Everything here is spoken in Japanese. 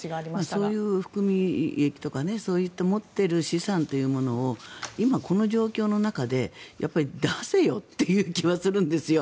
そういう含み益とかそうやって持ってる資産というものを今、この状況の中でやっぱり出せよという気はするんですよ。